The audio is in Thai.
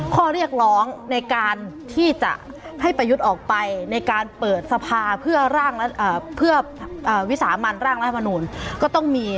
ข้อเรียกร้องในการที่จะให้ประยุทธ์ออกไปในการเปิดสภาเพื่อวิสามันร่างรัฐมนูลก็ต้องมี